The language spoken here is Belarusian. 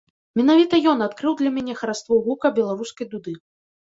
Менавіта ён адкрыў для мяне хараство гука беларускай дуды.